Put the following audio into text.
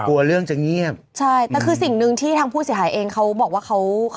กลัวเรื่องจะเงียบใช่แต่คือสิ่งหนึ่งที่ทางผู้เสียหายเองเขาบอกว่าเขา